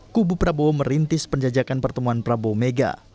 kubu prabowo merintis penjajakan pertemuan prabowo mega